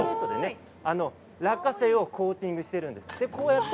落花生をコーティングしているんです。